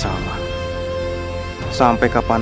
seseorang yang sangat mirip dengan rai subang larang